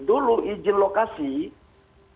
dulu ijin lokasi di daerah